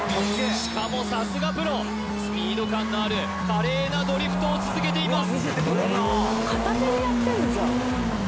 しかもさすがプロスピード感のある華麗なドリフトを続けています